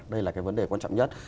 đây là cái vấn đề quan trọng nhất